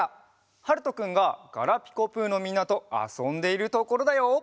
はるとくんが「ガラピコぷ」のみんなとあそんでいるところだよ。